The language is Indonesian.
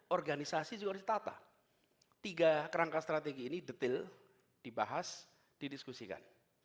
organisasi juga harus ditata tiga kerangka strategi ini detail dibahas didiskusikan